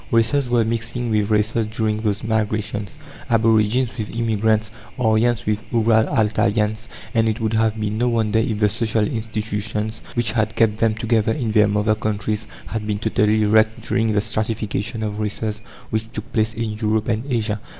Races were mixing with races during those migrations, aborigines with immigrants, Aryans with Ural Altayans; and it would have been no wonder if the social institutions which had kept them together in their mother countries had been totally wrecked during the stratification of races which took place in Europe and Asia.